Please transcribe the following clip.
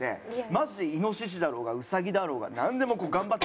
マジでイノシシだろうがウサギだろうがなんでも頑張って。